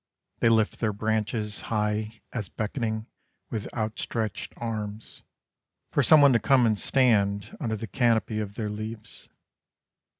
They lift their branches High as beckoning With outstretched arms, For some one to come and stand Under the canopy of their leaves.